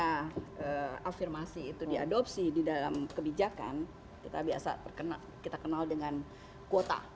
ketika afirmasi itu diadopsi di dalam kebijakan kita biasa kita kenal dengan kuota